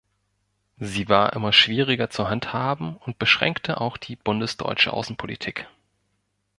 Sie war immer schwieriger zu handhaben und beschränkte auch die bundesdeutsche Außenpolitik.